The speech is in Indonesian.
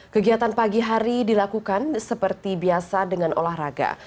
kegiatan pagi hari dilakukan seperti biasa dengan olahraga